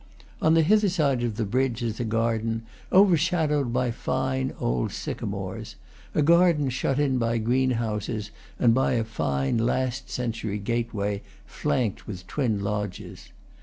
On the hither side of the bridge is a garden, overshadowed by fine old sycamores, a garden shut in by greenhouses and by a fine last century gateway, flanked with twin lodges.